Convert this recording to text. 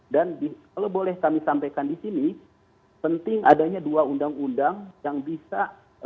kalau boleh kami sampaikan di sini penting adanya dua undang undang yang bisa